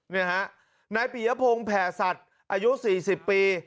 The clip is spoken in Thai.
นี่ฮะนายปียพงศ์แผ่สัตว์อายุ๔๐ปี